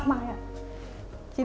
saya masih kecil saya masih kecil